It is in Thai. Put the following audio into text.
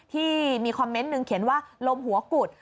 ที่มีคอมเมนต์หนึ่งเขียนว่าลมหัวกุด